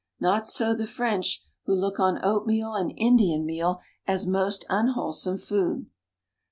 Not so the French, who look on oatmeal and Indian meal as most unwholesome food.